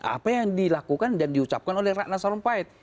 apa yang dilakukan dan diucapkan oleh rana salom paet